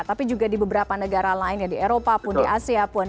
tapi juga di beberapa negara lain ya di eropa pun di asia pun